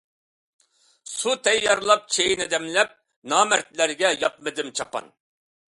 سۇ تەييارلاپ چېيىنى دەملەپ، نامەردلەرگە ياپمىدىم چاپان.